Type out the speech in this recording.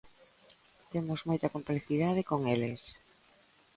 Temos moita complicidade con eles.